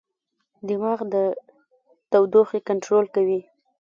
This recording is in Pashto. دماغ د تودوخې کنټرول کوي.